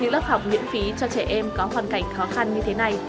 lớp học miễn phí cho trẻ em có hoàn cảnh khó khăn như thế này